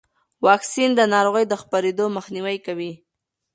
واکسن د ناروغۍ د خپرېدو مخنیوی کوي.